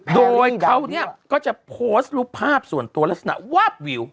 โดยเขาก็จะโพสต์รูปภาพส่วนตัวลักษณะวาบวิว